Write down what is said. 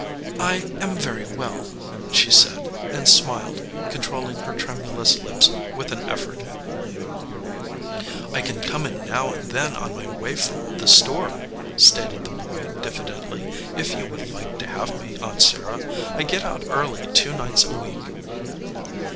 "I am very well," she said, and smiled, controll ing her tremulous lips with an effort. "I can come in now and then on my way from the store," stated the boy diffidently, "if you would like to have me, Aunt Sarah. I get out early two nights a week."